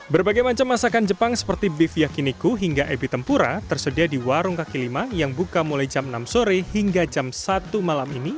berbagai macam masakan jepang seperti beef yakiniku hingga ebi tempura tersedia di warung kaki lima yang buka mulai jam enam sore hingga jam satu malam ini